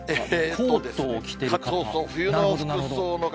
コートを着てる方？